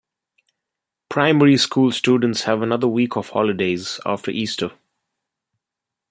Primary school students have another week of holidays after Easter.